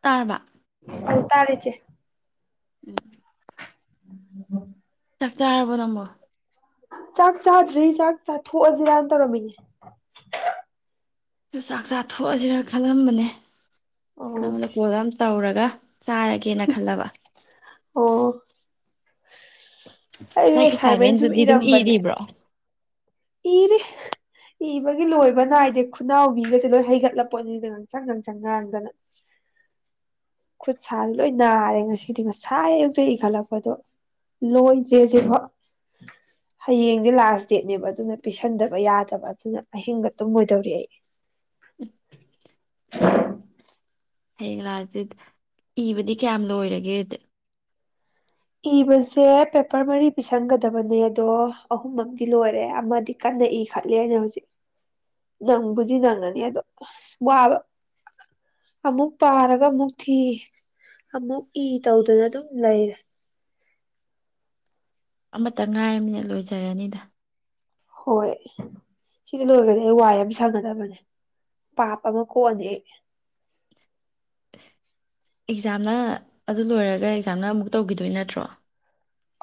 ꯇꯥꯔꯕ ꯑꯟ ꯇꯔꯦ ꯆꯦ ꯎꯝ ꯎ ꯆꯥꯛꯇꯥꯥꯔꯕꯣ ꯅꯪꯝꯕꯣ ꯆꯥꯛ ꯆꯥꯗ꯭ꯔꯤ ꯆꯥꯛ ꯆꯥꯊꯣꯛꯑꯁꯤꯔꯅ ꯇꯧꯔꯝꯃꯤꯅꯦ ꯁꯨ ꯆꯥꯛ ꯆꯥ ꯊꯣꯛꯑꯁꯤꯔꯥ ꯈꯜꯂꯝꯕꯅꯦ ꯑꯣ ꯂꯩꯀꯣꯗ ꯑꯃ ꯇꯧꯔꯒ ꯆꯥꯔꯒꯦꯅ ꯈꯜꯂꯕ ꯑꯣ ꯑꯦ [inaudible] ꯑꯩ ꯅꯪ ꯑꯦꯁꯥꯏꯟꯃꯦꯟ ꯑꯦꯁꯥꯏꯟꯃꯦꯟꯗꯨꯗꯤ ꯑꯗꯨꯝ ꯏꯔꯤꯕ꯭ꯔꯣ ꯏꯔꯦ ꯏꯕꯒꯤ ꯂꯣꯏꯕ ꯅꯥꯏꯗꯦ ꯈꯨꯅꯥꯎꯕꯤꯒꯁꯦ ꯂꯣꯏ ꯍꯩꯒꯠꯂꯄꯣꯠꯅꯤꯅ ꯉꯥꯡꯁꯪ ꯉꯥꯡꯁꯪ ꯉꯥꯡꯗꯅ ꯈꯨꯠ ꯁꯥꯁꯤ ꯂꯣꯏ ꯅꯥꯔꯦ ꯉꯁꯤꯗꯤ ꯉꯁꯥꯏ ꯏꯈꯠꯂꯛꯄꯗꯣ ꯏꯈꯠꯂꯛꯄꯗꯣ ꯂꯣꯏꯗ꯭ꯔꯦ ꯁꯤꯕꯣ ꯍꯌꯦꯡꯗꯤ ꯂꯥꯁ ꯗꯦꯠꯅꯦꯕ ꯑꯗꯨꯅ ꯄꯤꯁꯟꯗꯕ ꯌꯥꯗꯕ ꯑꯗꯨꯅ ꯑꯍꯤꯡꯕ ꯇꯨꯝꯃꯣꯏꯗꯧꯔꯤ ꯑꯩ ꯍꯌꯦꯡ ꯂꯥꯛꯑꯁꯤ ꯏꯕꯗꯤ ꯀꯌꯥꯝ ꯂꯣꯏꯔꯒꯦ ꯏꯕꯁꯦ ꯄꯦꯄꯔ ꯃꯔꯤ ꯄꯤꯁꯟꯒꯗꯕꯅꯦ ꯑꯗꯣ ꯑꯍꯨꯝ ꯑꯃꯗꯤ ꯂꯣꯏꯔꯦ ꯑꯃꯗꯤ ꯀꯟꯅ ꯏꯈꯠꯂꯦꯅ ꯍꯧꯖꯤꯛ ꯅꯪꯕꯨꯗꯤ ꯅꯪꯉꯅꯤ ꯑꯗꯣ ꯑꯁ ꯋꯥꯕ ꯑꯃꯨꯛ ꯄꯥꯔꯒ ꯑꯃꯨꯛ ꯊꯤ ꯑꯃꯨꯛ ꯏ ꯇꯧꯗꯅ ꯑꯗꯨꯝ ꯂꯩꯔꯦ ꯑꯃꯇ ꯉꯥꯏꯃꯤꯅ ꯂꯣꯏꯖꯔꯅꯤꯗ ꯍꯣꯏ ꯁꯤꯁꯦ ꯂꯣꯏꯔꯗꯤ ꯑꯩ ꯋꯥꯏ ꯑꯃ ꯁꯪꯉꯥꯗꯕꯅꯦ ꯄꯥꯞ ꯑꯃ ꯀꯣꯟꯅꯦ ꯑꯦꯛꯖꯥꯝꯅ ꯑꯗꯨ ꯂꯣꯏꯔꯒ ꯑꯦꯛꯖꯥꯝꯅ ꯑꯃꯨꯛ ꯇꯧꯈꯤꯗꯣꯏ ꯅꯠꯇ꯭ꯔꯣ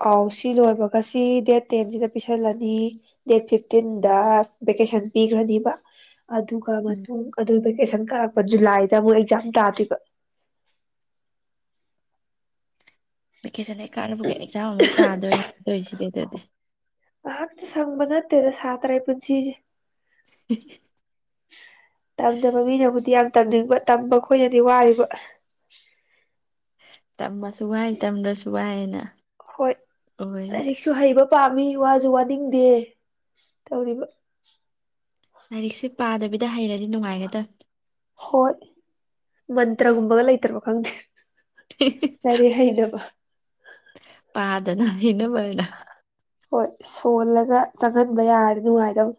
ꯑꯥꯎ ꯁꯤ ꯂꯣꯏꯕꯒꯁꯤ ꯗꯦꯠ ꯇꯦꯟꯁꯤꯗ ꯄꯤꯁꯜꯂꯅꯤ ꯗꯦꯠ ꯐꯤꯐꯇꯤꯟꯗ ꯚꯦꯀꯦꯁꯟ ꯄꯤꯈ꯭ꯔꯅꯤꯕ ꯑꯗꯨꯒ ꯎꯝ ꯃꯇꯨꯡ ꯑꯗꯨꯕ ꯀꯦꯁꯟ ꯀꯔꯛꯄ ꯖꯨꯂꯥꯏꯗ ꯑꯃꯨꯛ ꯑꯦꯛꯖꯥꯝ ꯇꯥꯗꯕ ꯚꯦꯀꯦꯁꯟ ꯀꯥꯔꯐꯒ ꯑꯦꯛꯖꯥꯝ ꯑꯃꯨꯛ ꯇꯥꯗꯣꯏꯗꯣꯏ ꯁꯤꯗꯤ ꯑꯗꯨꯗꯤ ꯇꯗ ꯁꯥꯇꯔꯥꯏ ꯄꯨꯁꯤꯁꯦ ꯍ [unintelligible] ꯇꯝꯗꯕ ꯃꯤꯅꯕꯨꯗꯤ ꯌꯥꯝ ꯇꯝꯅꯤꯡꯕ ꯇꯝꯕ ꯑꯩꯈꯣꯏꯅꯗꯤ ꯋꯥꯔꯤꯕ ꯇꯃꯁ ꯁꯨꯒꯥꯏ ꯇꯝꯗ ꯁꯨꯒꯥꯏꯅ ꯅ [unintelligible] ꯍꯣꯏ ꯂꯥꯏꯔꯤꯛꯁꯨ ꯍꯩꯕ ꯄꯥꯝꯃꯤ ꯋꯥꯁꯨ ꯋꯥꯅꯤꯡꯗꯦ ꯇꯧꯔꯤꯕ ꯂꯥꯏꯔꯤꯛꯁꯦ ꯄꯥꯗꯕꯤꯗ ꯍꯩꯔꯗꯤ ꯅꯨꯡꯉꯥꯏꯒꯗ꯭ꯔ ꯍꯣꯏ ꯃꯟꯇ꯭ꯔꯒꯨꯝꯕꯒ ꯂꯩꯇ꯭ꯔꯕ ꯈꯪꯗꯦ ꯁꯔꯤ ꯍꯥꯏꯗꯕ ꯄꯥꯗꯅ ꯏꯅ ꯃꯅ ꯍꯣꯏ ꯁꯣꯜꯂꯒ ꯆꯪꯍꯟꯕ ꯌꯥꯔꯗꯤ ꯅꯨꯡꯉꯥꯏꯗꯕ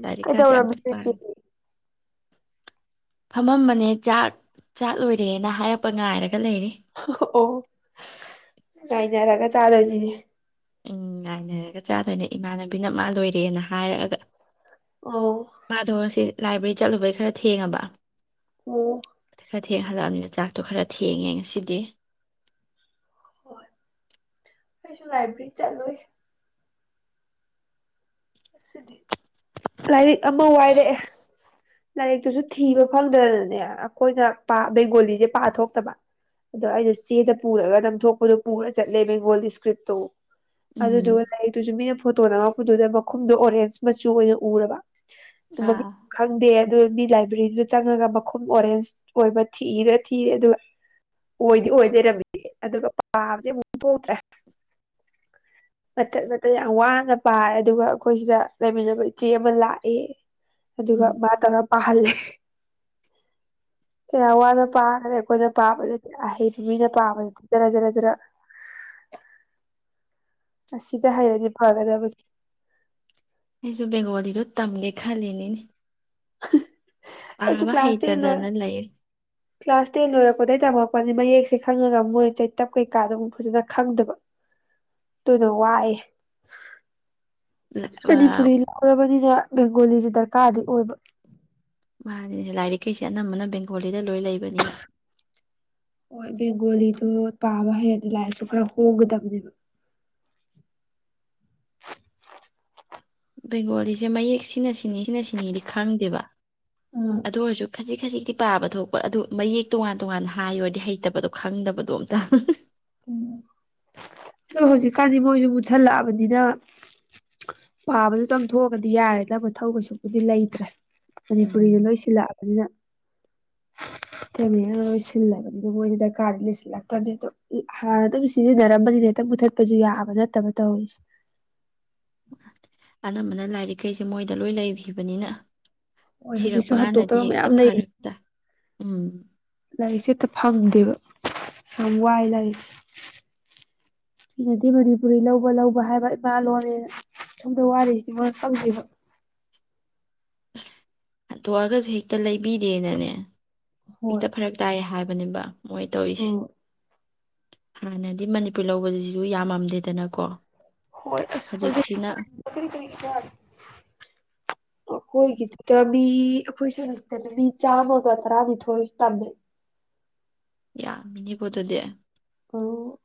ꯂꯥꯏꯔꯤꯛꯀꯥꯁꯦ ꯑꯝꯇ ꯀꯩꯗꯧꯔꯕꯣꯆꯦ ꯄꯥꯔꯦ ꯐꯝꯃꯝꯕꯅꯦ ꯆꯥꯛ ꯆꯥꯛ ꯂꯣꯏꯔꯦꯅ ꯍꯥꯏꯔꯛꯄ ꯉꯥꯏꯔꯒ ꯂꯩꯔꯤ ꯑꯣ ꯀꯥꯏꯅꯦꯔꯒ ꯆꯥꯗꯗꯤꯅꯦ ꯎꯝ ꯉꯥꯏꯅꯔꯒ ꯆꯥꯗꯣꯏꯅꯦ ꯏꯃꯥꯟꯅꯕꯤꯅ ꯃꯥ ꯂꯣꯏꯔꯦꯅ ꯍꯥꯏꯔꯛꯑꯒ ꯑꯣ ꯃꯥꯗꯔꯁꯤ ꯂꯥꯏꯕ꯭ꯔꯦꯔꯤ ꯆꯠꯂꯨꯕꯩ ꯈꯔ ꯊꯦꯡꯉꯕ ꯑꯣ ꯈꯔ ꯊꯦꯡꯍꯜꯂꯛꯑꯕꯅꯤꯅ ꯆꯥꯛꯇꯣ ꯈꯔ ꯊꯦꯡꯉꯦ ꯉꯁꯤꯗꯤ ꯍꯣꯏ ꯑꯩꯁꯨ ꯂꯥꯏꯕꯔꯤ ꯆꯠꯂꯨ ꯑꯁꯤꯗꯤ ꯂꯥꯏꯔꯤꯛ ꯑꯃ ꯋꯥꯏꯔꯛꯑꯦ ꯂꯥꯏꯔꯤꯛꯇꯨꯁꯨ ꯊꯤꯕ ꯐꯪꯗꯅꯅꯦ ꯑꯩꯈꯣꯏꯅ ꯕꯦꯡꯒꯣꯂꯤꯁꯦ ꯄꯥꯊꯣꯛꯇꯕ ꯑꯗꯣ ꯑꯩꯅ ꯆꯦꯗ ꯄꯨꯔꯒ ꯅꯝꯊꯣꯛꯄꯗꯣ ꯄꯨꯔ ꯆꯠꯂꯦ ꯕꯦꯡꯒꯣꯂꯤ ꯏꯁꯀ꯭ꯔꯤꯞꯇꯨ ꯎꯝ ꯑꯗꯨꯗꯨ ꯇꯁꯨ ꯃꯤꯅ ꯐꯣꯠꯇꯣꯅ ꯀꯗꯨꯗꯕ ꯨꯝꯗꯣ ꯑꯣꯔꯦꯟꯖ ꯃꯆꯨ ꯑꯣꯏꯅ ꯎꯔꯕ ꯑꯥ ꯈꯪꯗꯦ ꯑꯗꯨ ꯃꯤ ꯂꯥꯏꯕ꯭ꯔꯦꯔꯤꯗꯨ ꯆꯪꯉꯒ ꯃꯈꯨꯝ ꯑꯣꯔꯦꯟꯖ ꯑꯣꯏꯕ ꯊꯤꯏꯔꯥ ꯊꯤꯔꯦ ꯑꯗꯨꯒ ꯑꯣꯏꯗꯤ ꯑꯣꯏꯗꯣꯏꯔꯝꯃꯤ ꯑꯗꯨꯒ ꯄꯥꯕꯁꯦ ꯑꯃꯨꯛ ꯊꯣꯛꯇ꯭ꯔꯦ ꯃꯦ ꯃ ꯌꯥ ꯋꯥ ꯅ ꯄꯥꯏ ꯑꯗꯨꯒ ꯑꯩꯈꯣꯏ ꯁꯤꯗ ꯂꯩꯃꯤꯟꯅꯕ ꯏꯆꯦ ꯑꯃ ꯂꯥꯛꯑꯦ ꯑꯗꯨꯒ ꯎꯝ ꯃꯥ ꯇꯧꯔꯥ ꯄꯥꯍꯜꯂꯦ꯫ ꯀꯌꯥ ꯋꯥꯅ ꯄꯥꯈꯔꯦ ꯑꯩꯈꯣꯏꯅ ꯄꯥꯕꯗꯗꯤ ꯑꯍꯩꯕ ꯃꯤꯅ ꯄꯥꯕꯗꯗꯤ ꯖꯔ ꯖꯔ ꯖꯔ꯫ ꯑꯁꯤꯗ ꯍꯩꯔꯗꯤ ꯐꯒꯗꯕꯅꯤ꯫ ꯑꯩꯁꯨ ꯕꯦꯡꯒꯣꯂꯤꯗꯣ ꯇꯝꯒꯦ ꯈꯜꯂꯤꯅꯤꯅꯦ꯫ [unintelligible] ꯑꯩꯁꯨ ꯄꯥꯕ ꯀ꯭ꯂꯥꯁ ꯇꯦꯟ ꯂꯣꯏꯔꯛ ꯍꯩꯇꯗꯅ ꯂꯩ ꯀ꯭ꯂꯥꯁ ꯇꯦꯟ ꯂꯣꯏꯔꯛꯄꯗꯩ ꯇꯝꯃꯛ ꯄꯅꯤ ꯃꯌꯦꯛꯁꯦ ꯈꯪꯉꯒ ꯃꯣꯏ ꯆꯩꯇꯞ ꯀꯩꯀꯥꯗꯣ ꯐꯖꯅ ꯈꯪꯗꯕ ꯑꯗꯨꯅ ꯋꯥꯏꯌꯦ꯫ ꯃꯅꯤꯄꯨꯔꯤ ꯂꯧꯔꯕꯅꯤꯅ ꯕꯦꯡꯒꯣꯂꯤꯁꯦ ꯗꯔꯀꯥꯔꯗꯤ ꯑꯣꯏꯕ꯫ ꯃꯥꯅꯤꯅꯦ ꯂꯥꯏꯔꯤꯛꯈꯩꯁꯦ ꯑꯅꯝꯕꯅ ꯕꯦꯡꯒꯣꯂꯤꯗ ꯂꯣꯏ ꯂꯩꯕꯅꯤꯅ ꯍꯣꯏ ꯕꯦꯡꯒꯣꯂꯤꯗꯣ ꯄꯥꯕ ꯍꯩꯔꯗꯤ ꯂꯥꯏꯔꯤꯛꯁꯨ ꯈꯔ ꯍꯣꯡꯒꯗꯕꯅꯦꯕ꯫ ꯕꯦꯡꯒꯣꯂꯤꯁꯦ ꯃꯌꯦꯛ ꯁꯤꯅ ꯁꯤꯅꯤ ꯁꯤꯅ ꯁꯤꯅꯤꯗꯤ ꯈꯪꯗꯦꯕ꯫ ꯑꯥ ꯑꯗꯨ ꯑꯣꯏꯔꯁꯨ ꯈꯖꯤꯛ ꯈꯖꯤꯛ ꯇꯤ ꯄꯥꯕ ꯊꯣꯛꯄ ꯑꯗꯨ ꯃꯌꯦꯛ ꯇꯣꯉꯥꯟ ꯇꯣꯉꯥꯟꯅ ꯍꯥꯏꯌꯣꯗꯤ ꯍꯩꯇꯕꯗꯣ ꯈꯪꯗꯕꯗꯣ ꯑꯝꯇ ꯎꯝ ꯎꯝ ꯑꯗꯣ ꯍꯧꯖꯤꯛꯀꯥꯟꯗꯤ ꯃꯣꯏꯖꯨ ꯃꯨꯠꯁꯜꯂꯛꯑꯕꯅꯤꯅ ꯄꯥꯕꯗꯨꯇꯪ ꯊꯣꯛꯑꯒꯗꯤ ꯌꯥꯔꯦꯗ ꯃꯊꯧ ꯀꯩꯁꯨꯛꯄꯨꯗꯤ ꯂꯩꯇ꯭ꯔꯦ꯫ ꯎꯝ ꯃꯅꯤꯄꯨꯔꯤꯗ ꯂꯣꯏ ꯁꯤꯜꯂꯛꯑꯕꯅꯤꯅ ꯃꯩꯇꯩ ꯃꯌꯦꯛꯅ ꯂꯣꯏ ꯁꯤꯂꯕꯅꯤꯅ ꯃꯣꯏꯖꯦ ꯗꯔꯀꯥꯗꯤ ꯂꯩꯁꯤꯜꯂꯛꯇꯔꯕꯅꯤ ꯑꯗꯨ ꯎ ꯍꯥꯟꯅ ꯑꯗꯨꯝ ꯁꯤꯖꯤꯟꯅꯔꯝꯕꯅꯤꯅ ꯍꯦꯛꯇ ꯃꯨꯊꯠꯄꯖꯨ ꯌꯥꯕ ꯅꯠꯇꯕ ꯇꯧꯋꯤꯁꯦ꯫ ꯑꯅꯝꯕꯅ ꯂꯥꯏꯔꯤꯛꯈꯩꯁꯦ ꯃꯣꯏꯗ ꯂꯣꯏ ꯂꯩꯈꯤꯕꯅꯤꯅ ꯍꯣꯏ ꯍꯧꯖꯤꯛꯁꯨ ꯊꯤꯔꯛꯄ ꯀꯥꯟꯗꯗꯤ ꯍꯟꯇꯣꯛꯇꯕ ꯃꯌꯥꯝ ꯍꯦꯛꯇ ꯂꯩ ꯐꯔꯛ ꯇꯥꯏ꯫ ꯎꯝ ꯂꯥꯏꯔꯤꯛꯁꯦ ꯍꯦꯛꯇ ꯐꯪꯗꯦꯕ ꯌꯥꯝ ꯋꯥꯏ ꯂꯥꯏꯔꯤꯛꯁꯦ ꯃꯤꯅꯗꯤ ꯃꯅꯤꯄꯨꯔꯤ ꯂꯧꯕ ꯂꯧꯕ ꯍꯥꯏꯕ ꯏꯃꯥ ꯂꯣꯟꯅꯦꯅ ꯁꯣꯝꯗ ꯋꯥꯔꯤꯁꯤꯗꯤ ꯃꯣꯏꯅ ꯈꯪꯗꯩꯕ꯫ ꯍꯟꯇꯣꯛꯑꯒꯁꯨ ꯍꯦꯛꯇ ꯂꯩꯕꯤꯗꯦꯅꯅꯦ ꯍꯣꯏ ꯍꯦꯛꯇ ꯐꯔꯛ ꯇꯥꯏꯌꯦ ꯍꯥꯏꯕ꯫ ꯕꯅꯦꯕ ꯃꯣꯏ ꯑ ꯇꯧꯋꯤꯁꯤ ꯍꯥꯟꯅꯗꯤ ꯃꯅꯤꯄꯨꯔ ꯂꯧꯕꯖꯤꯖꯨ ꯌꯥꯝꯃꯝꯗꯦꯗꯅꯀꯣ? ꯍꯣꯏ ꯑꯁ ꯍꯧꯖꯤꯛꯇꯤ ꯍꯧꯖꯤꯛꯁꯤꯅ ꯀꯥꯏꯗꯩ ꯀꯔꯤꯛ ꯀꯔꯤꯛ ꯑꯈꯣꯏꯒꯤꯗꯨꯗ ꯃꯤ ꯑꯈꯣꯏ ꯁꯦꯃꯤꯁꯇꯔꯗ ꯃꯤ ꯆꯥꯝꯃꯒ ꯇꯔꯥꯅꯤꯊꯣꯏ ꯇꯝꯃꯦ꯫ ꯌꯥꯃꯤꯅꯦꯀꯣ ꯑꯗꯨꯗꯤ꯫ ꯑꯣ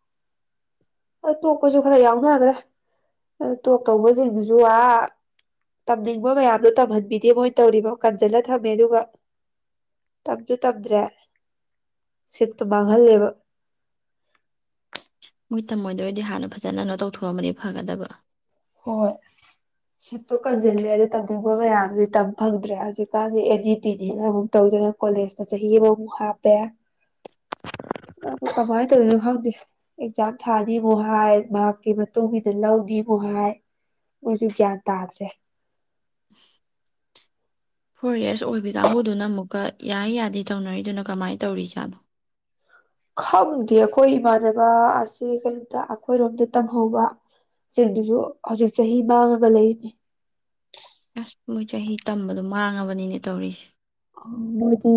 ꯍꯣꯏ ꯇꯣꯛꯄꯖꯨ ꯈꯔ ꯌꯥꯎꯅꯒꯔꯦ ꯑꯗꯣ ꯇꯣꯛ ꯇꯧꯕꯖꯤꯡꯗꯨꯖꯨ ꯑꯥ ꯇꯝꯅꯤꯡꯕ ꯃꯌꯥꯝꯗꯣ ꯇꯝꯍꯟꯕꯤꯗꯦ ꯃꯣꯏ ꯇꯧꯔꯤꯕ ꯀꯟꯖꯤꯜꯂ ꯊꯝꯃꯦ ꯑꯗꯨꯒ ꯇꯝꯖꯨ ꯇꯝꯗ꯭ꯔꯦ ꯁꯤꯠꯇꯨ ꯃꯥꯡꯍꯜꯂꯦꯕ꯫ ꯃꯣꯏ ꯇꯝꯃꯣꯏꯗꯣꯏ ꯑꯣꯏꯗꯤ ꯍꯥꯟꯅ ꯐꯖꯅ ꯀꯩꯅꯣ ꯇꯧꯊꯣꯛꯑꯝꯃꯗꯤ ꯐꯒꯗꯕ꯫ ꯍꯣꯏ ꯁꯤꯠꯇꯨ ꯀꯟꯖꯤꯜꯂꯦ ꯑꯗꯨ ꯇꯝꯅꯤꯡꯕ ꯃꯌꯥꯝꯗꯨꯗꯤ ꯇꯝ ꯐꯪꯗ꯭ꯔꯦ ꯍꯧꯖꯤꯛꯀꯥꯟꯗꯤ ꯑꯦꯟ ꯏ ꯄꯤꯅꯤꯅ ꯑꯃꯨꯛ ꯇꯧꯗꯅ ꯀꯣꯂꯦꯖꯇ ꯆꯍꯤ ꯑꯃꯃꯨꯛ ꯍꯥꯞꯄꯦ ꯑꯗꯨ ꯀꯃꯥꯏꯅ ꯇꯧꯗꯣꯏꯅꯣ ꯈꯪꯗꯦ ꯑꯦꯛꯖꯥꯝ ꯊꯥꯅꯤꯃꯨꯛ ꯍꯥꯏ ꯃꯥꯔꯛꯀꯤ ꯃꯇꯨꯡ ꯏꯟꯅ ꯂꯧꯅꯤꯃꯨꯛ ꯍꯥꯏ ꯃꯣꯏꯖꯨ ꯒ꯭ꯌꯥꯟ ꯇꯥꯗ꯭ꯔꯦ꯫ ꯐꯣꯔ ꯏꯌꯔꯁ ꯑꯣꯏꯕꯤ ꯀꯥꯡꯕꯨꯗꯨꯅ ꯑꯃꯨꯛꯀ ꯌꯥꯏ ꯌꯥꯗꯦ ꯇꯧꯅꯔꯤꯗꯨꯅ ꯀꯃꯥꯏꯅ ꯇꯧꯔꯤꯖꯥꯠꯅꯣ? ꯈꯪꯗꯤ ꯑꯈꯣꯏ ꯏꯃꯥꯟꯅꯕ ꯑꯁꯤ ꯀꯩꯅꯣꯗ ꯑꯩꯈꯣꯏꯔꯣꯝꯗ ꯇꯝꯍꯧꯕ ꯁꯤꯡꯗꯨꯖꯨ ꯍꯧꯖꯤꯛ ꯆꯍꯤ ꯃꯥꯡꯉꯒ ꯂꯩꯔꯤꯅꯤ꯫ ꯑꯁ ꯃꯣꯏ ꯆꯍꯤ ꯇꯝꯕꯗꯣ ꯃꯥꯡꯉꯕꯅꯤꯅꯦ ꯇꯧꯔꯤꯁꯦ ꯃꯣꯏꯒꯤ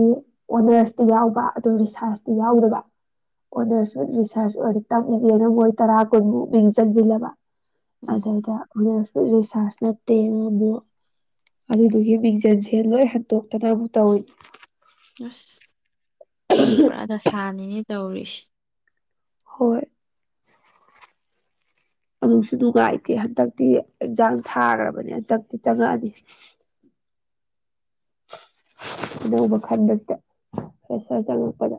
ꯑꯣꯅꯔꯁꯇꯤ ꯌꯥꯎꯕ ꯑꯗꯨ ꯔꯤꯁꯥꯔꯁꯇꯤ ꯌꯥꯎꯗꯕ ꯑꯣꯅꯔꯁꯁꯨ ꯔꯤꯁꯥꯔꯁ ꯑꯣꯏꯅ ꯇꯝꯒꯦꯅ ꯃꯣꯏ ꯇꯔꯥ ꯀꯨꯟꯃꯨꯛ ꯃꯤꯡ ꯆꯟꯁꯤꯜꯂꯕ ꯑꯗꯩꯗ ꯎꯝ ꯔꯤꯁꯥꯔꯁ ꯅꯠꯇꯦ ꯉꯅꯕꯨ ꯑꯗꯨꯗꯨꯒꯤ ꯃꯤꯡꯖꯟꯁꯦ ꯂꯣꯏ ꯍꯛꯇꯣꯛ ꯇꯅꯕꯨ ꯇꯧꯋꯤ ꯑꯁ ꯃꯣꯏ ꯄꯨꯔꯥ ꯗꯁꯥꯅꯤ ꯅꯤꯅꯦ ꯇꯧꯔꯤꯁ‌ꯦ ꯍꯣꯏ ꯑꯗꯨꯁꯨ ꯅꯨꯡꯉꯥꯏ ꯍꯟꯗꯛꯇꯤ ꯑꯦꯛꯖꯥꯡ ꯊꯥꯈ꯭ꯔꯕꯅꯤ ꯍꯟꯗꯛꯇꯤ ꯆꯪꯉꯛꯑꯅꯤ ꯑꯅꯧꯕ ꯈꯟꯕꯁꯤꯗ ꯐꯔ‌ꯦꯁꯔ ꯆꯪꯪꯂꯛꯄꯗ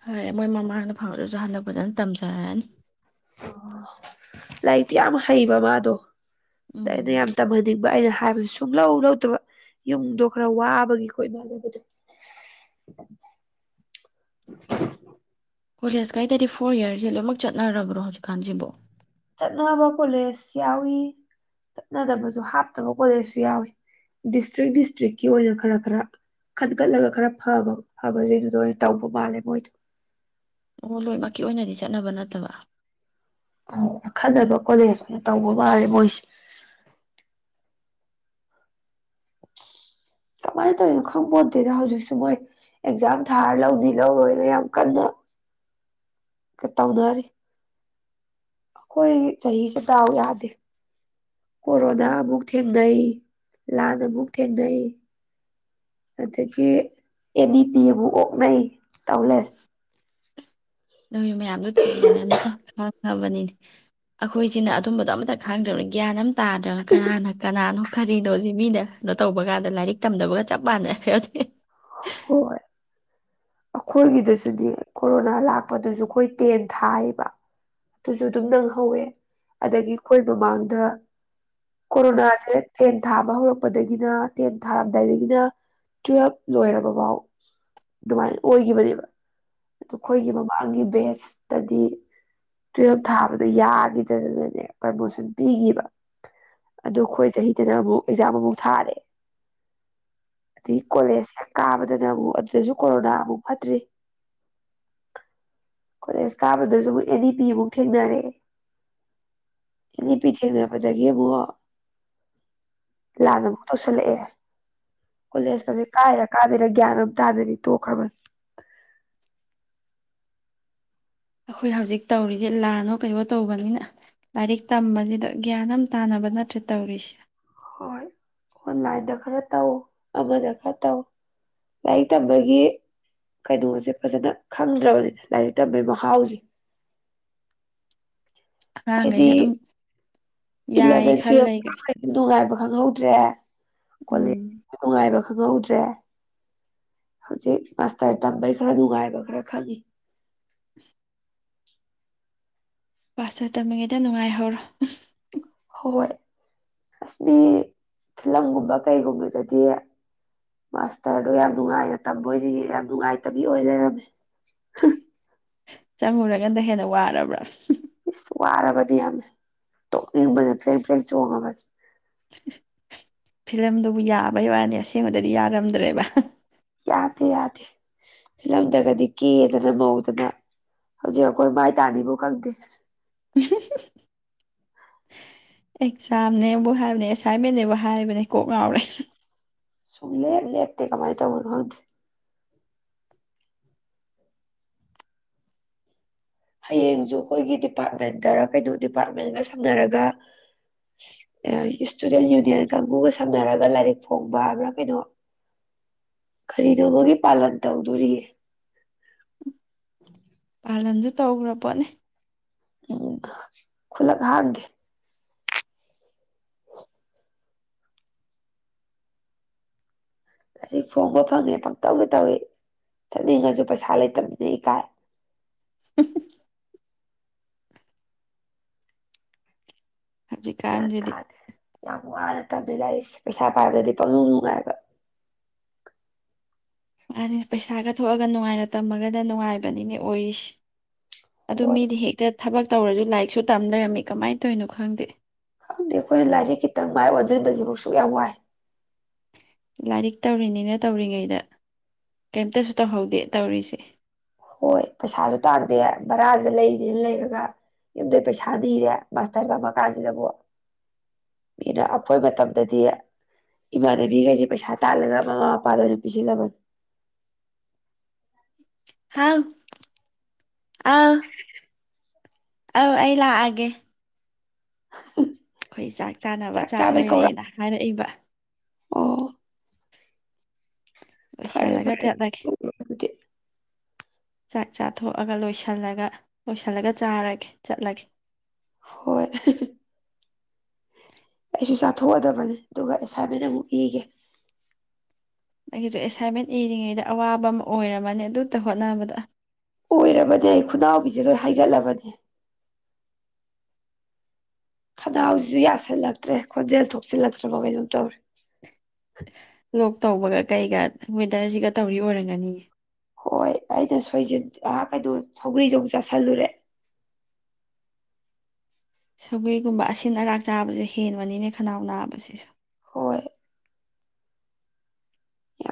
ꯐꯔ‌ꯦ ꯃꯣꯏ ꯃꯃꯥꯡꯗ ꯐꯪꯉꯒꯁꯨ ꯍꯟꯗꯛ ꯐꯖꯅ ꯇꯝꯖꯩ ꯌꯥꯔꯅꯤ ꯂꯥꯏꯔꯤꯛꯇꯤ ꯌꯥꯝ ꯍꯩꯕ ꯃꯥꯗꯣ ꯑꯗꯩꯗ ꯎꯝ ꯌꯥꯝ ꯇꯝꯍꯟꯅꯤꯡꯕ ꯑꯩꯅ ꯍꯥꯏꯕꯗꯨ ꯁꯨꯡ ꯂꯧ ꯂꯧꯗꯕ ꯌꯨꯝꯗꯣ ꯈꯔ ꯋꯥꯕꯒꯤ ꯈꯣꯏ ꯏꯃꯨꯡꯗꯕꯗꯣ ꯀꯣꯂꯦꯖ ꯀꯩꯗꯗꯤ ꯐꯣꯔ ꯌꯤꯔꯁ ꯂꯣꯏꯅꯃꯛ ꯆꯠꯅꯔꯕ꯭ꯔꯣ ꯍꯧꯖꯤꯛꯀꯥꯟꯁꯤꯕꯨꯣ ꯆꯠꯅꯕ ꯀꯣꯂꯦꯖ ꯌꯥꯎꯏ ꯆꯠꯅꯗꯕꯁꯨ ꯍꯥꯞꯇꯕ ꯀꯣꯂꯦꯖꯁꯨ ꯌꯥꯎꯏꯤ ꯗꯤꯁꯇ꯭ꯔꯤꯛ ꯗꯤꯁꯇ꯭ꯔꯤꯛꯀꯤ ꯑꯣꯏꯅ ꯈꯔ ꯈꯔ ꯈꯟꯒꯠꯂꯒ ꯈꯔ ꯐꯕ ꯐꯕꯁꯤꯡꯗꯨꯗ ꯑꯣꯏꯅ ꯇꯧꯕ ꯃꯥꯜꯂꯦ ꯃꯣꯏꯗꯣ ꯑꯣ ꯂꯣꯏꯃꯛꯀꯤ ꯑꯣꯏꯅꯗꯤ ꯆꯠꯅꯕ ꯅꯠꯇꯕ ꯑꯣ ꯑꯈꯟꯅꯕ ꯀꯣꯂꯦꯖ ꯑꯣꯏꯅ ꯇꯧꯕ ꯃꯥꯜꯂꯦ ꯃꯣꯏꯁꯦ ꯀꯃꯥꯏꯅ ꯇꯧꯔꯤꯅꯣ ꯈꯪꯄ‌ꯣꯠꯇꯦꯗ ꯍꯧꯖꯤꯛꯁꯨ ꯃꯣꯏ ꯑꯦꯛꯖꯥꯝ ꯊꯥꯔ ꯂꯧꯅꯤ ꯂꯧꯔ‌ꯣꯏ ꯌꯥꯝ ꯀꯟꯅ ꯀ ꯇꯧꯅꯔꯤ ꯑꯩꯈꯣꯏ ꯆꯍꯤꯁꯦ ꯗꯥꯎ ꯌꯥꯗꯦ ꯀꯣꯔꯣꯅꯥ ꯑꯃꯨꯛ ꯊꯦꯡ ꯅꯩ ꯂꯥꯟ ꯑꯃꯨꯛ ꯊꯦꯡꯅꯩ ꯑꯗꯒꯤ ꯑꯦꯅꯤ ꯄꯤ ꯑꯃꯨꯛ ꯑꯣꯛꯅꯩ ꯇꯧꯂꯦ ꯅꯣꯏ ꯃꯌꯥꯝꯗꯣ ꯊꯦꯡꯅꯔꯅ ꯈꯪꯉꯕꯅꯤꯅꯦ ꯑꯩꯈꯣꯏꯁꯤꯅ ꯑꯗꯨꯝꯕꯗꯣ ꯑꯝꯇ ꯈꯪꯗ꯭ꯔꯕꯅꯤ ꯒ꯭ꯌꯥꯟ ꯑꯃ ꯇꯥꯗ꯭ꯔꯕ ꯀꯅꯥꯅ ꯀꯅꯥꯅꯣ ꯀꯔꯤꯅꯣꯁ ꯃꯤꯅ ꯀꯣ ꯇꯧꯕ ꯀꯥꯟꯗ ꯂꯥꯏꯔꯤꯛ ꯇꯝꯗꯕꯒ ꯆꯞ ꯃꯥꯟꯅꯔꯦ ꯑꯦ ꯑꯩꯈꯣꯏꯒꯤꯗꯁꯨꯗꯤ ꯀꯣꯔꯣꯅꯥ ꯂꯥꯛꯄꯗꯨꯁꯨ ꯑꯩꯈꯣꯏ ꯇꯦꯟ ꯊꯥꯏꯌꯦꯕ ꯑꯗꯨꯁꯨ ꯑꯗꯨꯝ ꯅꯪꯍꯧꯋꯦ ꯑꯗꯒꯤ ꯑꯩꯈꯣꯏ ꯃꯃꯥꯡꯗ ꯀꯣꯔꯣꯅꯥꯁꯦ ꯇ‌ꯦꯟ ꯊꯥꯕ ꯍꯧ ꯄꯗꯒꯤꯅ ꯇꯦꯟ ꯊꯥꯔꯝꯗꯥꯏꯗꯒꯤꯅ ꯇꯨꯋꯦꯜꯕ ꯂꯣꯏꯔꯕꯐꯥꯎ ꯑꯗꯨꯃꯥꯏꯅ ꯑꯣꯏꯈꯤꯕꯅꯦꯕ ꯑꯈꯣꯏꯒꯤ ꯃꯃꯥꯡꯒꯤ ꯕꯦꯁ ꯏꯁꯇꯗꯤ ꯇꯨꯌꯦꯞ ꯊꯥꯕꯗꯣ ꯌꯥꯈꯤ ꯅꯦ ꯄꯔꯃꯣꯁꯟ ꯄꯤꯈꯤꯕ ꯑꯗꯨ ꯑꯩꯈꯣꯏ ꯆꯍꯤꯗꯅ ꯑꯃꯨꯛ ꯑꯦꯛꯖꯥꯝ ꯑꯃꯥꯎ ꯊꯥꯔꯦ ꯑꯗꯩ ꯀꯣꯂꯦꯖ ꯍꯦꯛ ꯀꯥꯕꯗꯅ ꯑꯃꯨꯛ ꯑꯗꯨꯗꯁꯨ ꯀꯣꯔꯣꯅꯥ ꯑꯃꯨꯛ ꯀꯣꯂꯦꯖ ꯀꯥꯕꯗꯁꯨ ꯑꯃꯨꯛ ꯑꯦꯅꯤ ꯄꯤꯃꯨꯛ ꯊꯦꯡꯅꯔꯛꯑꯦ ꯏꯅꯤ ꯄꯤ ꯆꯩꯦ ꯄꯖ ꯀꯦ ꯄꯣ ꯂꯥꯟꯅ ꯑꯃꯨꯛ ꯇꯧꯁꯤꯜꯂꯛꯑꯦ ꯀꯣꯂꯦꯖꯇꯗꯤ ꯀꯥꯏꯔ ꯀꯥꯗꯦꯔꯥ ꯒ꯭ꯌꯥꯟ ꯑꯃ ꯇꯥꯗꯕꯤ ꯇꯣꯛꯈ꯭ꯔꯕꯅꯤ [inaudible] ꯑꯩꯈꯣꯏ ꯍꯧꯖꯤꯛ ꯇꯧꯔꯤꯁꯦ ꯂꯥꯟꯅꯣ ꯀꯩꯅꯩꯅꯣ ꯇꯧꯕꯅꯤꯅ ꯂꯥꯏꯔꯤꯛ ꯇꯝꯕꯁꯤꯗ ꯒ꯭ꯌꯥꯟ ꯑꯃ ꯇꯥꯅꯕ ꯅꯠꯇ꯭ꯔꯦ ꯇꯧꯔꯤꯁꯦ ꯍꯣꯏ ꯑꯣꯟꯂꯥꯏꯟꯗ ꯈꯔ ꯇꯧ ꯑꯃꯗ ꯈꯔ ꯇꯧ ꯂꯥꯏꯔꯤꯛ ꯇꯝꯕꯒꯤ ꯀꯩꯅꯣꯁꯦ ꯐꯖꯅ ꯈꯪꯗ꯭ꯔꯕꯅꯤꯅ ꯂꯥꯏꯔꯤꯛ ꯇꯝꯕꯒꯤ ꯃꯍꯥꯎꯁꯦ ꯍꯥꯏꯗꯤ ꯑꯉꯥꯡꯈꯩꯁꯨ ꯑꯗꯨꯝ ꯌꯥꯏ ꯏꯂꯚꯦꯟ ꯈꯜ ꯂꯩꯈꯔꯦ ꯇꯨꯋꯦꯜ ꯅꯨꯡꯉꯥꯏꯕ ꯈꯪꯍꯧꯗ꯭ꯔꯦ ꯎꯝ ꯀꯣꯂꯦꯅꯨꯡꯉꯥꯏꯕ ꯈꯪꯍꯧꯗ꯭ꯔꯦ ꯍꯧꯖꯤꯛ ꯃꯥꯁꯇꯔ ꯇꯝꯕꯩ ꯈꯔ ꯅꯨꯡꯉꯥꯏꯕ ꯈꯔ ꯈꯪꯉꯤ [inaudible] ꯄꯔ ꯇꯝꯃꯤꯉꯩꯗ ꯅꯨꯡꯉꯥꯏꯍꯧꯔꯣ ꯍꯣꯏ ꯑꯁ ꯃꯤ ꯐꯤꯂꯝꯒꯨꯝꯕ ꯀꯩꯒꯨꯝꯕꯗꯗꯤ ꯃꯥꯁꯇꯔꯗꯣ ꯌꯥꯝ ꯅꯨꯡꯉꯥꯏꯅ ꯇꯝꯕꯣꯏꯗꯤ ꯌꯥꯝ ꯅꯨꯡꯉꯥꯏꯇꯕꯤ ꯑꯣꯏ ꯂꯩꯔꯝꯃꯤ [inaudible] ꯆꯪꯉꯨꯔꯀꯥꯟꯗ ꯍꯦꯟꯅ ꯋꯥꯔꯕ꯭ꯔꯥ ꯏꯁꯁ ꯋꯥꯔꯕꯗꯤ ꯌꯥꯝꯃꯦ ꯇꯣꯛꯅꯤꯡꯕꯗ ꯐ꯭ꯔꯦꯡ ꯐ꯭ꯔꯦꯡ ꯆꯣꯡꯉꯒꯗꯤ ꯐꯤꯂꯝꯗꯨꯕꯨ ꯌꯥꯕꯩ ꯋꯥꯔꯅꯤ ꯑꯁꯦꯡꯕꯗꯗꯤ ꯌꯥꯔꯝꯗ꯭ꯔꯦꯕ ꯌꯥꯗꯦ ꯌꯥꯗꯦ ꯐꯤꯂꯝꯗꯒꯗꯤ ꯀꯦꯗꯅ ꯃꯧꯗꯅ ꯍꯧꯖꯤꯛ ꯑꯩꯈꯣꯏ ꯃꯥꯏ ꯇꯥꯅꯤꯕꯨ ꯈꯪꯗꯦ ꯑꯦꯛꯖꯥꯝꯅꯦꯕꯨ ꯍꯥꯏꯕꯅꯦ ꯑꯦꯁꯥꯏꯟꯃꯟꯅꯦꯕꯨ ꯍꯥꯏꯔꯤꯕꯅꯦ ꯀꯣꯛ ꯉꯥꯎꯔꯦ ꯁꯨꯡꯂꯦ ꯂꯦ ꯇ ꯀꯃꯥꯏ ꯇꯧꯕ ꯍꯣ ꯍꯌꯦꯡꯁꯨ ꯑꯩꯈꯣꯏꯒꯤ ꯗꯤꯄꯥꯔꯠꯃꯦꯟꯇ ꯀꯩꯅꯣ ꯗꯤꯄꯥꯔꯠꯃꯦꯟꯒ ꯁꯝꯅꯔꯒ ꯏꯁꯇꯨꯗꯦꯟ ꯌꯨꯅꯤꯌꯟ ꯀꯥꯡꯕꯨꯒ ꯁꯝꯅꯔꯒ ꯂꯥꯏꯔꯤꯛ ꯐꯣꯡꯕ ꯍꯥꯏꯕ꯭ꯔꯥ ꯀꯩꯅꯣ ꯀꯔꯤꯅꯣꯕꯒꯤ ꯄꯥꯂꯟ ꯇꯧꯗꯣꯔꯤ ꯄꯥꯂꯟꯁꯨ ꯇꯧꯈ꯭ꯔ ꯄꯣꯠꯅꯦ ꯎꯝ ꯈꯨꯂꯒ ꯍꯥꯏꯦ ꯂꯔꯤꯛ ꯆꯣꯡꯕ ꯐꯪꯉꯦ ꯄꯪꯇꯧꯗꯤ ꯇꯧꯏꯤ ꯆꯠꯅꯤꯡꯉꯁꯨ ꯄꯩꯁꯥ ꯂꯩꯇꯕꯅꯤꯅ ꯏꯀꯥꯏ ꯍꯧꯖꯤꯛꯀꯥꯟꯁꯤꯗꯤ ꯂꯥꯛꯏꯁꯦ ꯄꯩꯁꯥ ꯄꯥꯏꯕꯗꯗꯤ ꯄꯪꯅꯨꯡ ꯅꯨꯡꯉꯥꯏꯕ ꯃꯥ ꯄꯩꯁꯥꯒ ꯊꯣꯛꯑꯒ ꯅꯨꯡꯉꯥꯏꯅ ꯇꯝꯃꯒꯅ ꯅꯨꯡꯉꯥꯏꯕꯅꯤꯅꯦ ꯑꯣꯏꯔꯤꯁꯤ ꯑꯗꯨ ꯍꯣꯏ ꯃꯤꯗꯤ ꯍꯦꯒ ꯊꯕꯛ ꯇꯧꯔꯁꯨ ꯂꯥꯏꯔꯤꯛꯁꯨ ꯇꯝ ꯂꯩꯔꯝꯃꯤ ꯀꯃꯥꯏꯅ ꯇꯧꯔꯤꯅꯣ ꯈꯪꯗꯦ ꯑꯁꯨꯛ ꯌꯥꯝ ꯋꯥꯏ ꯂꯥꯏꯔꯤꯛ ꯇꯧꯔꯤꯅꯤꯅ ꯇꯧꯔꯤꯉꯩꯗ ꯀꯩꯝꯇꯁꯨ ꯇꯧꯍꯧꯗꯦ ꯇꯧꯔꯤꯁꯦ ꯍꯣꯏ ꯄꯩꯁꯥꯗ ꯎ ꯇꯥꯔꯗ ꯃꯔꯔꯥ ꯂꯩꯔꯅ ꯂꯩꯔꯒ ꯌꯨꯝꯗꯩ ꯄꯩꯁꯥ ꯅꯤꯔꯦ ꯃꯥꯁꯇꯔ ꯇꯝꯃꯀꯥꯟꯁꯤꯗꯕꯨ ꯃꯤꯅ ꯑꯩꯈꯣꯏ ꯃꯇꯝꯗꯗꯤ ꯏꯃꯥꯗꯕꯤꯈꯁꯦ ꯄꯩꯁꯥ ꯇꯂꯒ ꯃꯃ ꯄꯥꯗꯅ ꯄꯁꯤꯂꯕꯗ ꯍꯥꯎ ꯑ ꯑꯧ ꯑꯩ ꯂꯥꯛꯑꯒꯦ [unintelligible] ꯈꯣꯏ ꯆꯥꯛ ꯆꯥꯅꯕ ꯆꯥꯛ ꯆꯥꯕꯩ ꯀꯧꯔꯛ ꯂꯣꯏꯔꯦꯅ ꯍꯥꯏꯔꯛꯏꯕ ꯑꯣ ꯐꯔꯦ ꯂꯣꯏꯁꯜꯂꯒ ꯐꯔꯦ ꯆꯠꯂꯒꯦ ꯑꯗꯨꯗꯤ ꯆꯥꯛ ꯆꯥꯊꯣꯛꯑꯒ ꯂꯣꯏꯁꯜꯂꯒ ꯂꯣꯏꯁꯤꯜꯂꯒ ꯆꯥꯔꯒꯦ ꯆꯠꯂꯒꯦ ꯍꯣꯏ ꯊꯣꯛꯑꯗꯕꯅꯤ ꯑꯗꯨꯒ ꯑꯦꯁꯥꯏꯟꯃꯦꯟ ꯑꯃꯨꯛ ꯏꯒꯦ ꯑꯩꯒꯤꯁꯨ ꯑꯦꯁꯥꯏꯟꯃꯦꯟ ꯏꯔꯤꯉꯩꯗ ꯑꯋꯥꯕ ꯑꯃ ꯑꯣꯏꯔꯝꯕꯅꯦ ꯑꯗꯨꯇ ꯍꯣꯠꯅꯕꯗ ꯑꯣꯏꯔꯕꯅꯦ ꯑꯩ ꯈꯨꯅꯥꯎꯕꯤꯖꯦ ꯂꯣꯏ ꯍꯩꯒꯠꯂꯕꯅꯦ ꯈꯅꯥꯎꯖꯤꯁꯨ ꯌꯥꯁꯤꯜꯂꯛꯇ꯭ꯔꯦ ꯈꯣꯟꯖꯦꯜ ꯊꯣꯛꯆꯤꯜꯂꯛꯇ꯭ꯔꯕꯣ ꯀꯩꯅꯣꯝ ꯇꯧꯔꯦ ꯂꯣꯛ ꯇꯧꯕꯒ ꯀꯩꯒ ꯋꯦꯗꯔꯁꯤꯒ ꯇꯧꯔꯤ ꯑꯣꯏꯔꯝꯒꯅꯤꯌꯦ ꯍꯣꯏ ꯑꯩꯅ ꯁꯣꯏꯖꯤꯟ ꯑ ꯀꯩꯅꯣ ꯁꯧꯒ꯭ꯔꯤꯖꯨ ꯑꯃꯨꯛ ꯆꯥꯁꯤꯜꯂꯨꯔꯦ ꯁꯧꯒ꯭ꯔꯤꯒꯨꯝꯕ ꯑꯁꯤꯟ ꯑꯔꯥꯛ ꯆꯥꯕꯖꯦ ꯍꯦꯟꯕꯅꯤꯅꯦ ꯈꯅꯥꯎ ꯅꯥꯕꯁꯤꯁꯨ ꯍꯣꯏ ꯌꯥꯝ